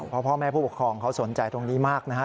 เพราะพ่อแม่ผู้ปกครองเขาสนใจตรงนี้มากนะฮะ